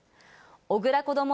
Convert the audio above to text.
小倉こども